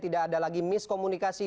tidak ada lagi miskomunikasi